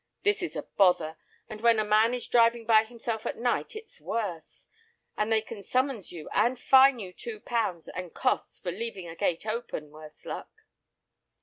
This is a bother, but when a man is driving by himself at night it's worse. And they can summons you, and fine you two pounds and costs for leaving a gate open, worse luck!"